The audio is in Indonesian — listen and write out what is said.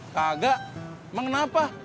kagak emang kenapa